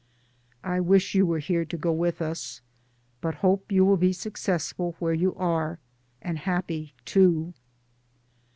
I wish you were here to go with us, but hope you will be successful where you are, and happy too.